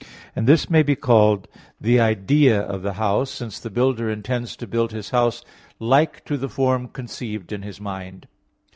And this may be called the idea of the house, since the builder intends to build his house like to the form conceived in his mind.